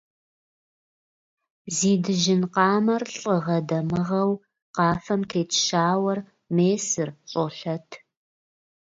Как ты осторожно и ловко сводишь их...